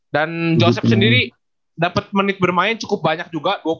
dan joseph sendiri dapat menit bermain cukup banyak juga